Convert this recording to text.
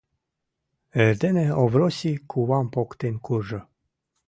Эрдене Овроси кувам поктен куржо.